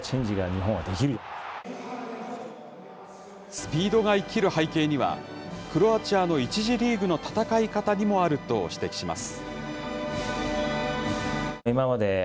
スピードが生きる背景には、クロアチアの１次リーグの戦い方にもあると指摘します。